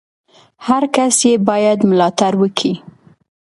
هر کس ئې بايد ملاتړ وکي!